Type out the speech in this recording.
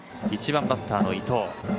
１番バッターの伊藤。